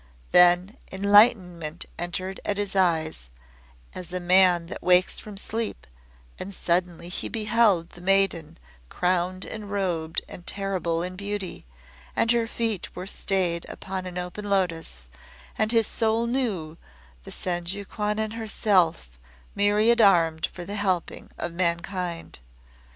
Then enlightenment entered at his eyes, as a man that wakes from sleep, and suddenly he beheld the Maiden crowned and robed and terrible in beauty, and her feet were stayed upon an open lotos, and his soul knew the Senju Kwannon Herself, myriad armed for the helping of mankind.